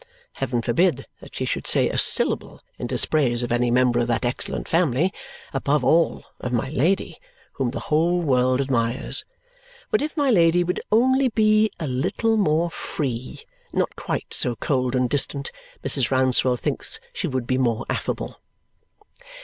Heaven forbid that she should say a syllable in dispraise of any member of that excellent family, above all, of my Lady, whom the whole world admires; but if my Lady would only be "a little more free," not quite so cold and distant, Mrs. Rouncewell thinks she would be more affable.